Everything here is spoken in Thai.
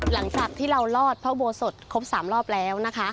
หลังจากที่เรารอดพระอุโบสถครบ๓รอบแล้วนะคะ